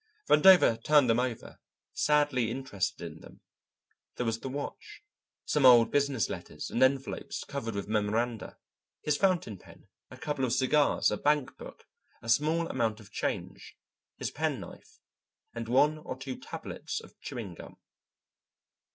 Vandover turned them over, sadly interested in them. There was the watch, some old business letters and envelopes covered with memoranda, his fountain pen, a couple of cigars, a bank book, a small amount of change, his pen knife, and one or two tablets of chewing gum.